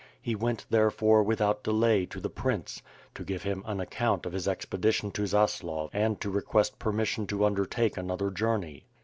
He went, therefore, without delay to the prince, to give him an account of his expedition to Zaslav and to request permission to undertake another journey.